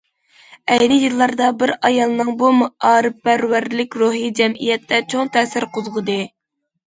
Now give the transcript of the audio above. ئەينى يىللاردا بىر ئايالنىڭ بۇ مائارىپپەرۋەرلىك روھى جەمئىيەتتە چوڭ تەسىر قوزغىدى.